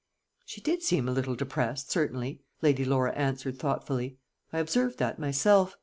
"She did seem a little depressed, certainly," Lady Laura answered thoughtfully; "I observed that myself.